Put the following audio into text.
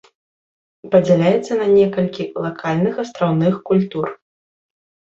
Падзяляецца на некалькі лакальных астраўных культур.